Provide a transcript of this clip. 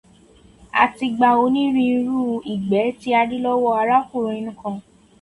A ti gba onírúurú ìgbẹ́ tí a rí lọ́wọ́ arákùnrin kan.